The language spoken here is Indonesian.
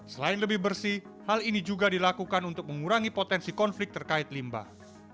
selain lebih bersih hal ini juga dilakukan untuk mengurangi potensi konflik terkait limbah